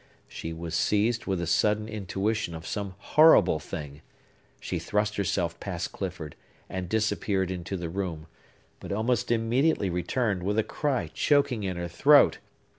She was seized with a sudden intuition of some horrible thing. She thrust herself past Clifford, and disappeared into the room; but almost immediately returned, with a cry choking in her throat.